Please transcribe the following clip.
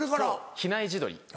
比内地鶏。